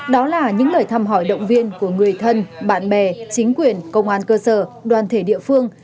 đó là những lời thăm hỏi động viên của người thân bạn bè chính quyền công an cơ sở đoàn thể địa phương